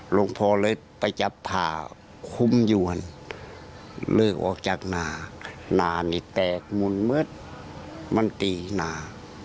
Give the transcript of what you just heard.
หลวงพ่อเลยไปจับผ่าคุ้มยวนเลิกออกจากนานานี่แตกหมุนมืดมันตีนา